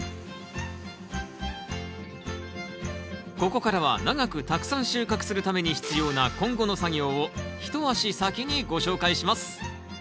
ここからは長くたくさん収穫するために必要な今後の作業を一足先にご紹介します